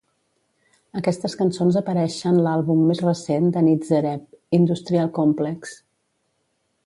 Aquestes cançons apareixen l'àlbum més recent de Nitzer Ebb, "Industrial Complex".